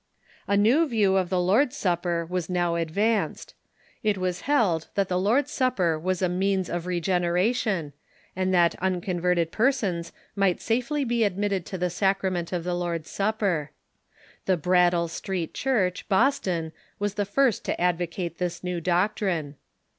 A new view of the Lord's Supper was now advanced. It was held that the Lord's Supper was a means of regeneration, ^._,_,_,,... and that unconverted persons miorht safelv be Stoddard s Views t . i ,^, t . admitted to the sacrament of the Lords Supper. The Brattle Street Church, Boston, Avas the first to advocate this new doctrine.